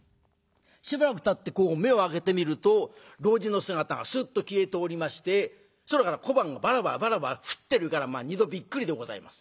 しばらくたってこう目を開けてみると老人の姿がすっと消えておりまして空から小判がバラバラバラバラ降ってるからまあ２度びっくりでございます。